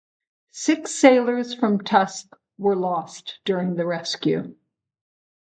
Six sailors from "Tusk" were lost during the rescue.